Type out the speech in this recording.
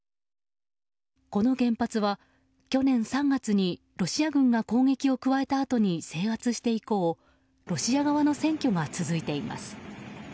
この原発は去年３月にロシア軍が攻撃を加えたあとに制圧して以降ロシア側の占拠が続いています。